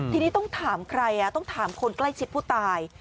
ทีนี้ต้องถามใครต้องถามคนใกล้ชิดผู้ตาย